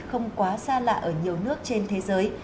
không quá xa lạ ở nhiều nước trên thế giới